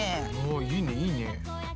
うんいいねいいね。